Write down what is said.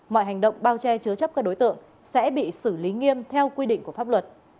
mọi hành động bao che chứa chấp các đối tượng sẽ bị xử lý nghiêm theo quy định của pháp luật